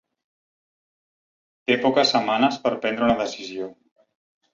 Té poques setmanes per prendre una decisió.